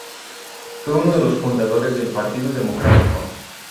Fue uno de los fundadores del Partido democrático.